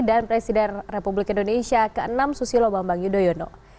dan presiden republik indonesia ke enam susilo bambang yudhoyono